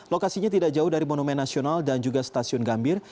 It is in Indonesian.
lokasinya tidak jauh dari monumen nasional dan juga stasiun gambir